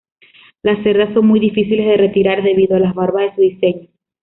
Las cerdas son muy difícil de retirar debido a las barbas de su diseño.